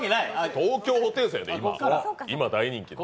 東京ホテイソンやで、今、大人気の。